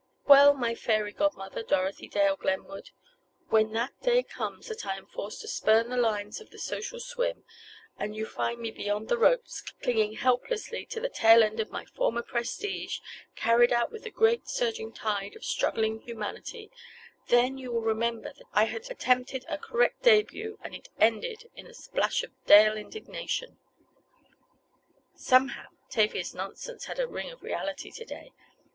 "Well, my fairy godmother, Dorothy Dale Glenwood, when that day comes that I am forced to spurn the lines of the Social Swim, and you find me beyond the ropes, clinging helplessly to the tail end of my former prestige, carried out with the great, surging tide of struggling humanity, then you will remember that I had attempted a correct debut, and it ended in a splash of Dale indignation!" Somehow Tavia's nonsense had a ring of reality to day.